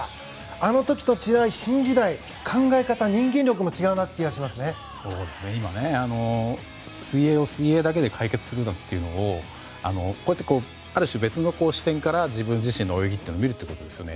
あの時と時代、新時代考え方、人間力も今、水泳を水泳だけで解決するっていうのをある種別の視点から自分自身の泳ぎを見るということですよね。